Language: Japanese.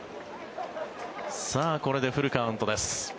さあ、これでフルカウントです。